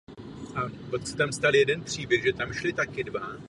Otázka svobody pohybu není pouze vnitrostátní záležitostí, ale také evropskou.